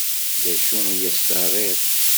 D acu i as-terriḍ?